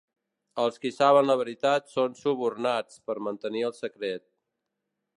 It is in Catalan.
Els qui saben la veritat són subornats per mantenir el secret.